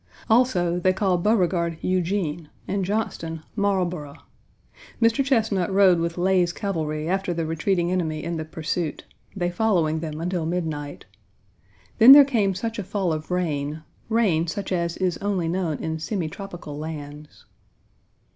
Also, they call Beauregard, Eugene, and Johnston, Marlboro. Mr. Chesnut rode with Lay's cavalry after the retreating enemy in the pursuit, they following them until midnight. Then there came such a fall of rain rain such as is only known in semitropical lands.